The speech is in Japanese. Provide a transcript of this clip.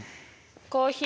コーヒー。